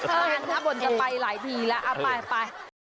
ขอบคุณครับผมจะไปหลายทีละ